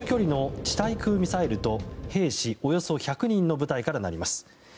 スカイセイバーで中距離の地対空ミサイルと兵士およそ１００人の部隊からなります。